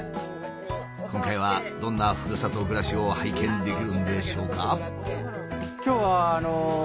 今回はどんなふるさと暮らしを拝見できるんでしょうか？